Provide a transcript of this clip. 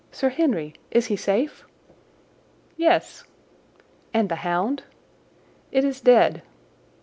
Sir Henry? Is he safe?" "Yes." "And the hound?" "It is dead."